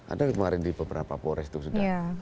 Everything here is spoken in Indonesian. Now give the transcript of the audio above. ada kemarin di beberapa polres itu sudah